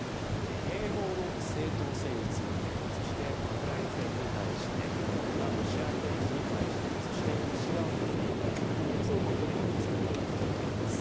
併合の正当性についてそして、ウクライナ政府に対して更にはロシア兵士に対してそして、西側諸国に対して。この４つのポイントで兵頭さんに伺っていきたいと思います。